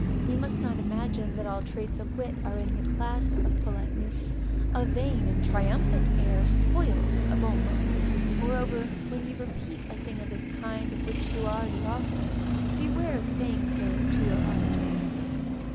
We must not imagine that all traits of wit are in the class of politeness; a vain and triumphant air spoils a bon mot; moreover, when you repeat a thing of this kind of which you are the author, beware of saying so to your auditors.